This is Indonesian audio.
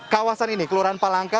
kawasan ini kelurahan palangka